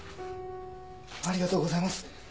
ありがとうございます。